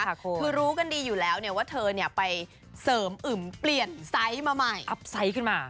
คือรู้กันดีอยู่แล้วว่าเธอไปเสริมอึมเปลี่ยนไซส์มาใหม่